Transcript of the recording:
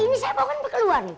ini saya mau ke luar nih